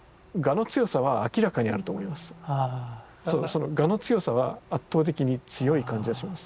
その我の強さは圧倒的に強い感じがします。